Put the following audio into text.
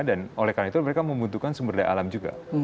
dan oleh karena itu mereka membutuhkan sumber daya alam juga